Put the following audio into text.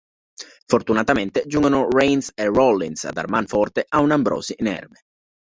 Fortunatamente giungono Reigns e Rollins a dar man forte ad un Ambrose inerme.